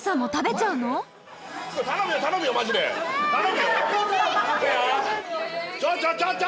ちょちょちょちょ！